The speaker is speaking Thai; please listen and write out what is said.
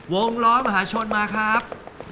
วงร้อยมหาชนมาครับ